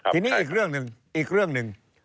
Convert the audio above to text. ทีนี้อีกเรื่องหนึ่ง